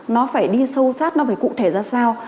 nó phải đi sâu sát nó phải cụ thể ra sao